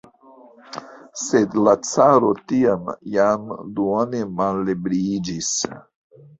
Sed la caro tiam jam duone malebriiĝis.